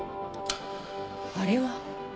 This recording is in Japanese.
あれは。